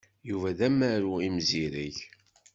Yuba d amaru imzireg.